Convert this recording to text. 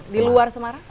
di luar semarang